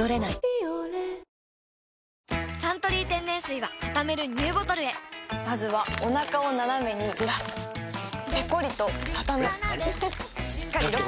「ビオレ」「サントリー天然水」はたためるＮＥＷボトルへまずはおなかをナナメにずらすペコリ！とたたむしっかりロック！